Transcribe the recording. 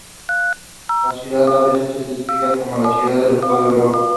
La ciudad es a veces descrita como la Ciudad de los Cuatro Lagos.